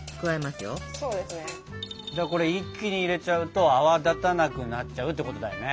これ一気に入れちゃうと泡立たなくなっちゃうってことだよね。